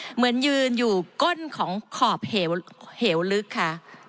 เหมือนยืนอยู่ก้นของขอบเหวลึกค่ะ